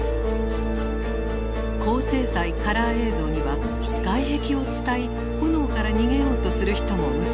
高精細カラー映像には外壁をつたい炎から逃げようとする人も映っていた。